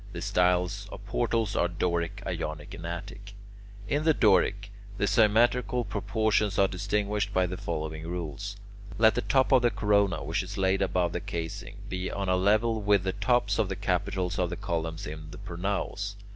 The styles of portals are Doric, Ionic, and Attic. In the Doric, the symmetrical proportions are distinguished by the following rules. Let the top of the corona, which is laid above the casing, be on a level with the tops of the capitals of the columns in the pronaos.